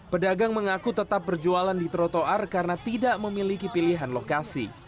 pedagang mengaku tetap berjualan di trotoar karena tidak memiliki pilihan lokasi